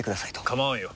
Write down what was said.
構わんよ。